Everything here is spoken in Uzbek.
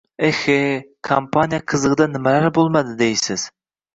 Eh-he, «kampaniya» qizig‘ida nimalar bo‘lmadi, deysiz...